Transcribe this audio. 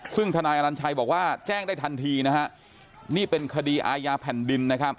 ซึ่งทนายอนัญชัยบอกว่าแจ้งได้ทันทีนะฮะนี่เป็นคดีอาญาแผ่นดินนะครับ